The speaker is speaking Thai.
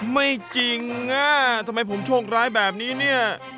ไม่จริงอ่ะทำไมผมโชคร้ายแบบนี้เนี่ย